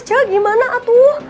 cia gimana tuh